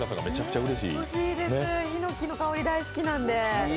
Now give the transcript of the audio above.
うれしいです、ヒノキの香り大好きなんで。